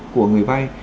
của người vai